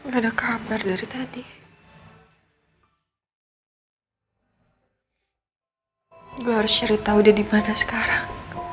gue harus cerita udah dimana sekarang